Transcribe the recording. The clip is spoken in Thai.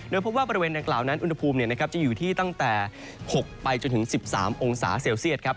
โดยพบว่าบริเวณด้านกล่าวนั้นอุณหภูมิจะอยู่ที่ตั้งแต่๖๑๓องศาเซลเซียต